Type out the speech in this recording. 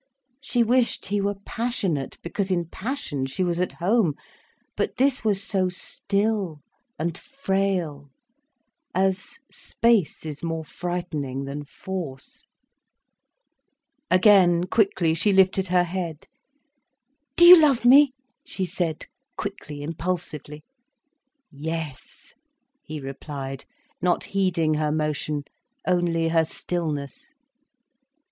She wished he were passionate, because in passion she was at home. But this was so still and frail, as space is more frightening than force. Again, quickly, she lifted her head. "Do you love me?" she said, quickly, impulsively. "Yes," he replied, not heeding her motion, only her stillness.